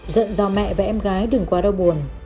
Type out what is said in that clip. giận do mẹ và em gái đừng quá đau buồn